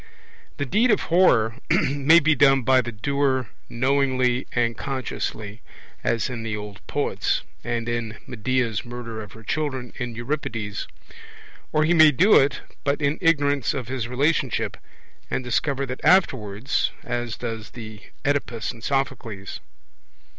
The deed of horror may be done by the doer knowingly and consciously, as in the old poets, and in Medea's murder of her children in Euripides. Or he may do it, but in ignorance of his relationship, and discover that afterwards, as does the Oedipus in Sophocles.